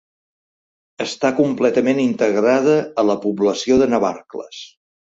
Està completament integrada a la població de Navarcles.